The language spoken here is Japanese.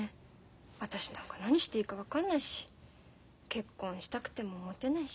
私なんか何していいか分かんないし結婚したくてももてないし。